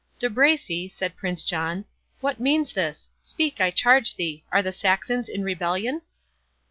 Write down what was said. "De Bracy," said Prince John, "what means this?—Speak, I charge thee!—Are the Saxons in rebellion?"